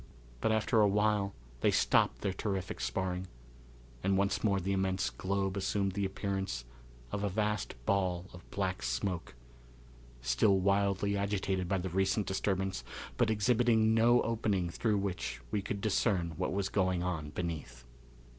But after a while they stopped their terrific sparring, and once more the immense globe assumed the appearance of a vast ball of black smoke, still wildly agitated by the recent disturbance, but exhibiting no opening through which we could discern what was going on beneath.